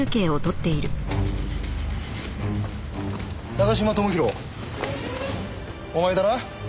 長嶋智博お前だな。